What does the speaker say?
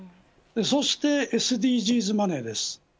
そしてＳＤＧｓマネーです。